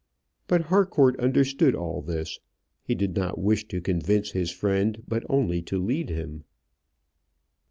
But Harcourt understood all this: he did not wish to convince his friend, but only to lead him.